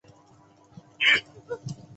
国舅房林牙萧和尚的儿子。